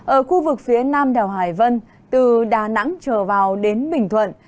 ở khu vực phía nam đèo hải vân từ đà nẵng trở vào đến bình thuận